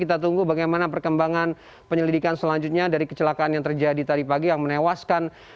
kita tunggu bagaimana perkembangan penyelidikan selanjutnya dari kecelakaan yang terjadi tadi pagi yang menewaskan